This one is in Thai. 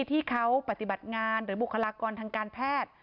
ที่เขาปฏิบัติงานหรือบุคลากรทางการแพทย์